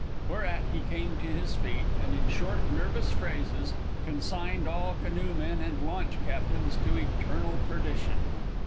Whereat he came to his feet, and in short, nervous phrases consigned all canoe men and launch captains to eternal perdition.